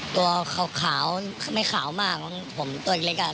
ตัวขาวไม่ขาวมากผมตัวอีกเล็กกว่าสิ